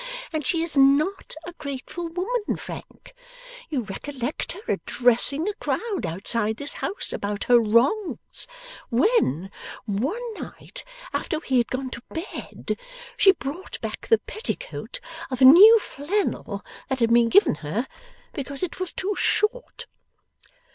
And she is NOT a grateful woman, Frank. You recollect her addressing a crowd outside this house, about her wrongs, when, one night after we had gone to bed, she brought back the petticoat of new flannel that had been given her, because it was too short.